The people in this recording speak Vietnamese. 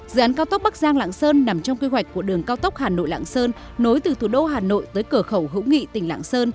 dự án cao tốc bắc giang lạng sơn nằm trong kế hoạch của đường cao tốc hà nội lạng sơn nối từ thủ đô hà nội tới cửa khẩu hữu nghị tỉnh lạng sơn